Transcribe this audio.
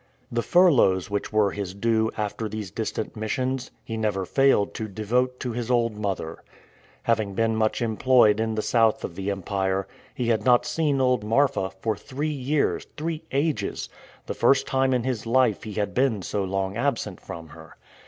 The furloughs which were his due after these distant missions, he never failed to devote to his old mother. Having been much employed in the south of the empire, he had not seen old Marfa for three years three ages! the first time in his life he had been so long absent from her.